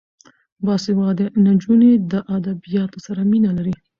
باسواده نجونې د ادبیاتو سره مینه لري.